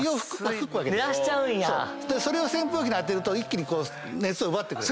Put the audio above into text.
それを扇風機で当てると一気に熱を奪ってくれる。